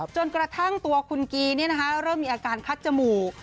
จนกระทั่งตัวคุณกีเริ่มมีอาการคัดจมูก